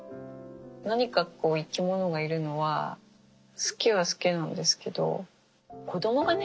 何かこう生き物がいるのは好きは好きなんですけど子供がね